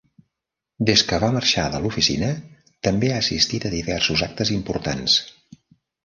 Des que va marxar de l'oficina, també ha assistit a diversos actes importants.